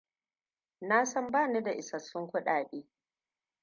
Na san bani da isassun kudade.